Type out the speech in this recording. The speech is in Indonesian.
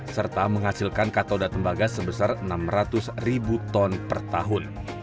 serta menghasilkan katoda tembaga sebesar enam ratus ribu ton per tahun